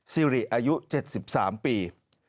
ซีรีส์อายุ๗๓ปี